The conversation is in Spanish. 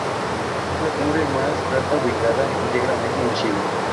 Es la cumbre más alta ubicada íntegramente en Chile.